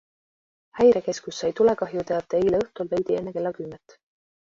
Häirekeskus sai tulekahjuteate eile õhtul veidi enne kella kümmet.